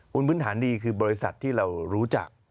พื้นฐานดีคือบริษัทที่เรารู้จัก